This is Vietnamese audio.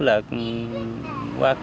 là qua khu vực này